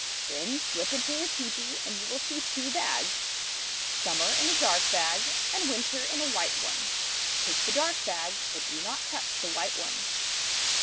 Then slip into her tepee, and you will see two bags — Summer in a dark bag, and Winter in a white one. Take the dark bag, but do not touch the white one."